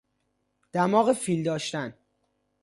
دماغ فیل داشتن